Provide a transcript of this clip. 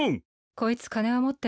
こいつ金は持ってるよ。